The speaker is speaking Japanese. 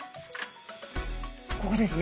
ここですね。